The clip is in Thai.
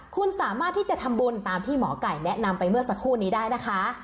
คุณสามารถที่จะทำบุญตามที่หมอไก่แนะนำไปเมื่อสักครู่นี้ได้นะคะ